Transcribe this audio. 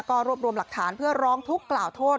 ก็รวบรวมหลักฐานเพื่อร้องทุกข์กล่าวโทษ